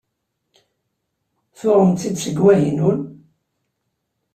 Tuɣem-tt-id deg Wahinun?